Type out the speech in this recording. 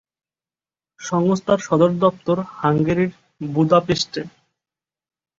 সংস্থার সদরদপ্তর হাঙ্গেরির বুদাপেস্টে।